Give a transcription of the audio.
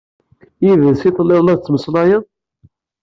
Yid-s i telliḍ la tettmeslayeḍ?